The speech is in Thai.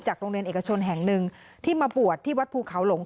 โรงเรียนเอกชนแห่งหนึ่งที่มาบวชที่วัดภูเขาหลง